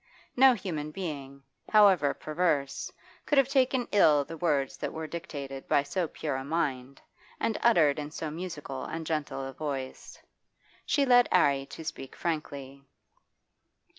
No human being, however perverse, could have taken ill the words that were dictated by so pure a mind, and uttered in so musical and gentle a voice. She led 'Arry to speak frankly.